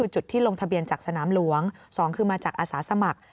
จุดที่ลงทะเบียนจากสนามหลวง๒คือมาจากอาสาสมัคร